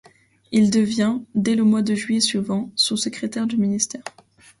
Il devient, dès le mois de juillet suivant, sous-secrétaire du ministère.